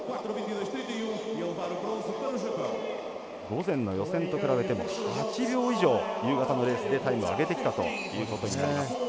午前の予選と比べても８秒以上夕方のレースでタイムを上げてきたということになります。